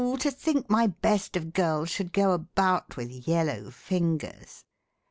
to think my best of girls Should go about with yellow fingers.